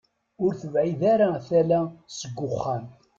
Ur tebɛid ara tala seg uxxam.